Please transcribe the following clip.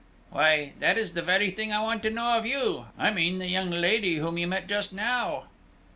"Why, that is the very thing I want to know of you. I mean the young lady whom you met just now."